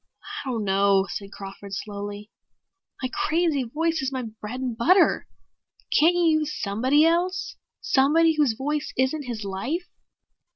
"I don't know," said Crawford slowly. "My crazy voice is my bread and butter. Can't you use somebody else? Somebody whose voice isn't his life?"